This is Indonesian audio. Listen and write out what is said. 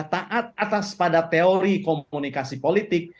taat atas pada teori komunikasi politik